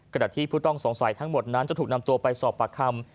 ขณะที่ผู้ต้องสงสัยทั้งหมดนั้นจะถูกนำตัวไปสอบปากคำ